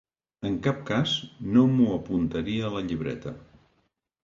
En cap cas no m'ho apuntaria a la llibreta.